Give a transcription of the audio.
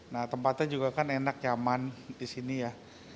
nah tempatnya juga kan enak nyaman di sini ya